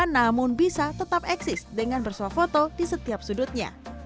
namun bisa tetap eksis dengan bersuah foto di setiap sudutnya